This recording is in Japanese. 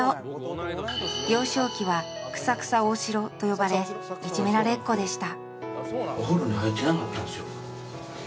幼少期はクサクサ大城と呼ばれいじめられっ子でした